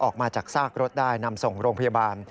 ออกมาจากซากรถได้นำส่งโรงพยาบาล